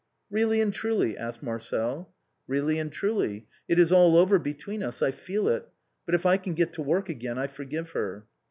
"Eeally and truly?" asked Marcel. " Eeally and truly. It is all over between us, I feel it; but if I can get to work again I forgive her."